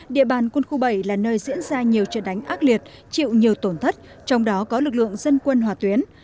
địa bàn quân khu bảy là nơi diễn ra nhiều trận đánh ác liệt chịu nhiều tổn thất trong đó có lực lượng dân quân hỏa tuyến